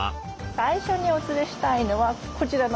最初にお連れしたいのはこちらなんです。